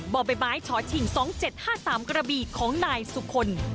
บ่อใบไม้ชชิง๒๗๕๓กระบีของนายสุคล